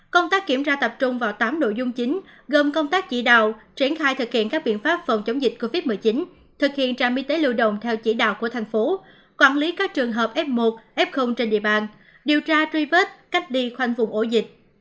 công tác kiểm tra tập trung vào tám nội dung chính gồm công tác chỉ đạo triển khai thực hiện các biện pháp phòng chống dịch covid một mươi chín thực hiện trạm y tế lưu đồng theo chỉ đạo của thành phố quản lý các trường hợp f một f trên địa bàn điều tra truy vết cách đi khoanh vùng ổ dịch